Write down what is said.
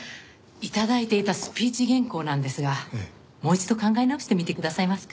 頂いていたスピーチ原稿なんですがもう一度考え直してみてくださいますか？